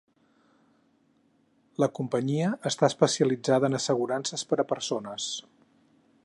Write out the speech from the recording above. La companyia està especialitzada en assegurances per a persones.